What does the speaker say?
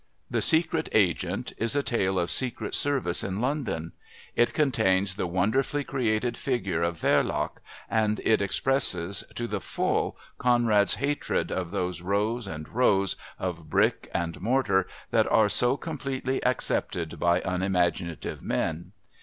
The Secret Agent is a tale of secret service in London; it contains the wonderfully created figure of Verloc and it expresses, to the full, Conrad's hatred of those rows and rows of bricks and mortar that are so completely accepted by unimaginative men.